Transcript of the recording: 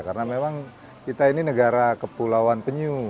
karena memang kita ini negara kepulauan penyu